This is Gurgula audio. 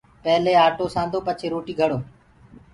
پيلي آٽو سآندو پڇي روٽيٚ گھڙو